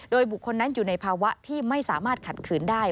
โดยบุคคลนั้นอยู่ในภาวะที่ไม่สามารถขัดขืนได้